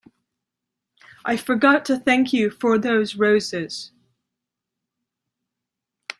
I forgot to thank you for those roses.